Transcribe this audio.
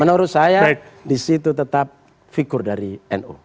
menurut saya di situ tetap figur dari no